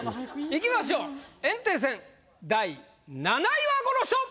いきましょう炎帝戦第７位はこの人！